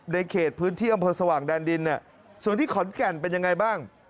ในเขตพื้นที่อำเภอสว่างดันดินส่วนที่ขอนแก่นเป็นอย่างไรบ้าง